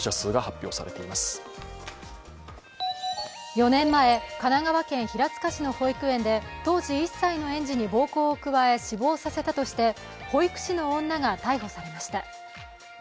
４年前神奈川県平塚市の保育園で当時１歳の園児に暴行を加え死亡させたとして保育士の女が逮捕されました。